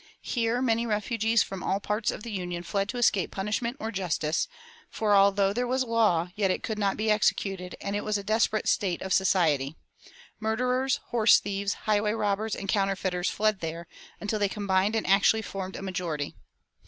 Here many refugees from all parts of the Union fled to escape punishment or justice; for although there was law, yet it could not be executed, and it was a desperate state of society. Murderers, horse thieves, highway robbers, and counterfeiters fled there, until they combined and actually formed a majority.